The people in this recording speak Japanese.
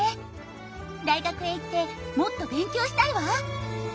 大学へ行ってもっと勉強したいわ。